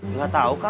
enggak tahu kak